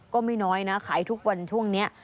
ก็ไม่น้อยนะขายทุกวันช่วงนี้